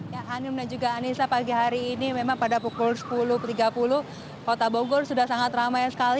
ya hanum dan juga anissa pagi hari ini memang pada pukul sepuluh tiga puluh kota bogor sudah sangat ramai sekali